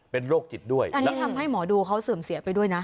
เป็นโรคจิตด้วยอันนี้ทำให้หมอดูเขาเสื่อมเสียไปด้วยนะ